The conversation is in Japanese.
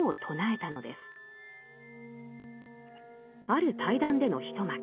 ある対談での一幕。